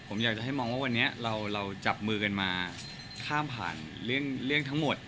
ผมอยากจะให้มองว่าวันนี้เราจับมือกันมาข้ามผ่านเรื่องทั้งหมด